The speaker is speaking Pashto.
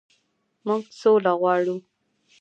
موږ سوله غواړو.